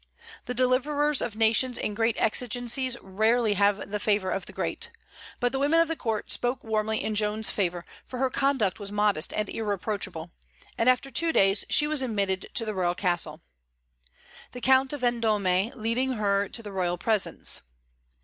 The deliverers of nations in great exigencies rarely have the favor of the great. But the women of the court spoke warmly in Joan's favor, for her conduct was modest and irreproachable; and after two days she was admitted to the royal castle, the Count of Vendôme leading her to the royal presence.